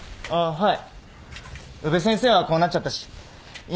はい。